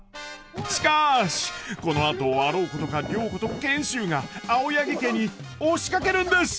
しかしこのあとあろうことか良子と賢秀が青柳家に押しかけるんです！